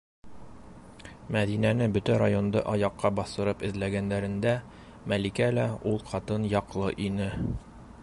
Мәҙинәне бөтә районды аяҡҡа баҫтырып эҙләгәндәрендә Мәликә лә ул ҡатын яҡлы ине.